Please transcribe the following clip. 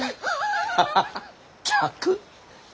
ハハハハッ！